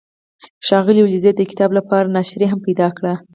ښاغلي ولیزي د کتاب لپاره ناشر هم پیدا کړ.